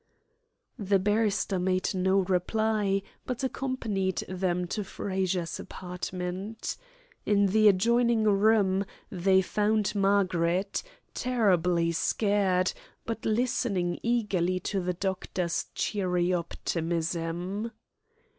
The barrister made no reply, but accompanied them to Frazer's apartment. In the adjoining room they found Margaret, terribly scared, but listening eagerly to the doctor's cheery optimism.